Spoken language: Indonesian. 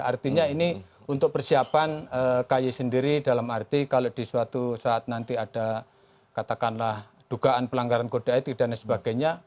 artinya ini untuk persiapan kay sendiri dalam arti kalau di suatu saat nanti ada katakanlah dugaan pelanggaran kode etik dan sebagainya